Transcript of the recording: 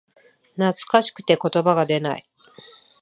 懐かしくて言葉が出ない